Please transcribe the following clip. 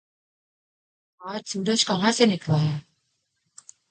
آج سورج کہاں سے نکلا ہے